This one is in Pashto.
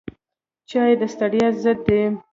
چای د ستړیا ضد دی